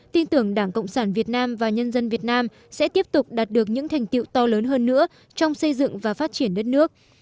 tin tưởng đảng cộng sản việt nam và nhân dân việt nam sẽ tiếp tục đạt được những thành tiệu to lớn hơn nữa trong xây dựng và phát triển đất nước